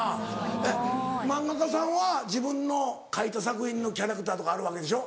えっ漫画家さんは自分の描いた作品のキャラクターとかあるわけでしょ。